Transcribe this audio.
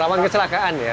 rawan kecelakaan ya